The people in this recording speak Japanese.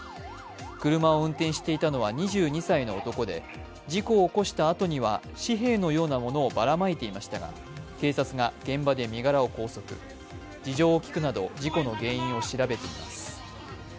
車を運転していたのは２２歳の男で事故を起こしたあとには紙幣のようなものをばらまいていましたが、警察が現場で身柄を拘束事情を聴くなど事故の原因を調べています。